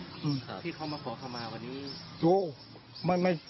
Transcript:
ที่เขามาขอเข้ามาวันนี้